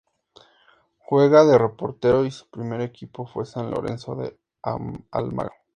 Juega de portero y su primer equipo fue San Lorenzo de Almagro.